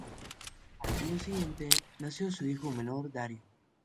Al año siguiente nació su hijo menor, Darío.